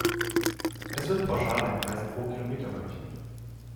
Es wird pauschal ein Preis pro Kilometer berechnet.